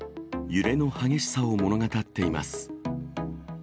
揺れの激しさを物語っています。